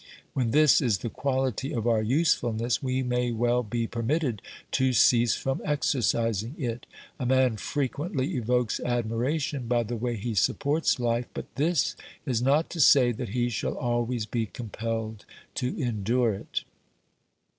When this is the quality of our usefulness, we may well be per mitted to cease from exercising it. A man frequently evokes admiration by the way he supports life, but this is not to say that he shall always be compelled to en dure it.